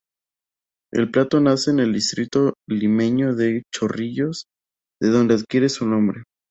El plato nace en el distrito limeño de Chorrillos, de donde adquiere su nombre.